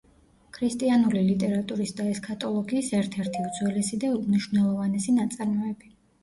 ქრისტიანული ლიტერატურის და ესქატოლოგიის ერთ-ერთი უძველესი და უმნიშვნელოვანესი ნაწარმოები.